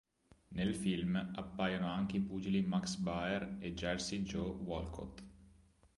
Nel film appaiono anche i pugili Max Baer e Jersey Joe Walcott.